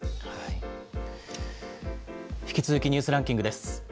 引き続きニュースランキングです。